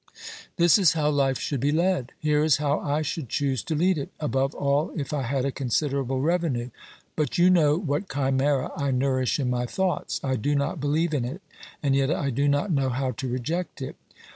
This is how life should be led ; here is how I should choose to lead it, above all if I had a considerable revenue. But you know what chimera I nourish in my thoughts. I do not believe in it, and yet I do not know how to reject it.